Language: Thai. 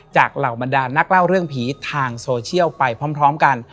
เหล่าบรรดานักเล่าเรื่องผีทางโซเชียลไปพร้อมกัน